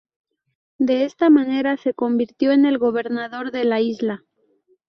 De esta manera se convirtió en el gobernador de la isla.